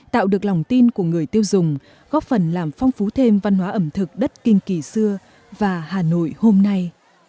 tạo được lòng tin của người tiêu dùng góp phần làm phong phú thêm văn hóa ẩm thực đất kinh kỳ xưa và hà nội hôm nay